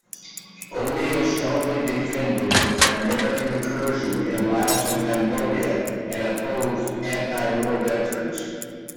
O'Neill strongly defended American incursions in Laos and Cambodia, and opposed anti-war veterans.